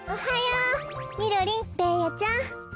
みろりんベーヤちゃん。